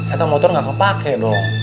eta motor gak kepake dong